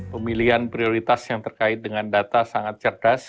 pemilihan prioritas yang terkait dengan data sangat cerdas